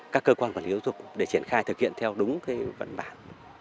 các cơ quan quản lý giáo dục để triển khai thực hiện theo đúng cái vận bản